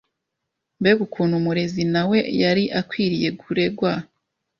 Mbega ukuntu umurezi na we yari akwiriye kuregwa